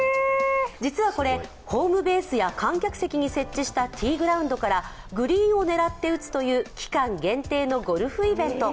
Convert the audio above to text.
実はこれ、ホームベースや観客に設置したティーグラウンドからグリーンを狙って打つという期間限定のゴルフイベント。